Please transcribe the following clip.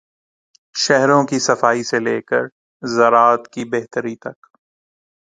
شہروں کی صفائی سے لے کر زراعت کی بہتری تک۔